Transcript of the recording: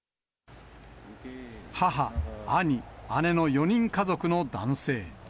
母、兄、姉の４人家族の男性。